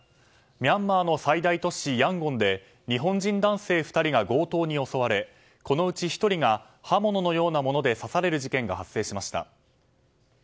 ミャンマーの最大都市ヤンゴンで日本人男性２人が強盗に襲われこのうち１人が刃物のようなもので刺される事件が発生しました。